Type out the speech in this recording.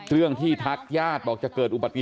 เรื่องที่ทักยาดบอกจะเกิดอุบัติ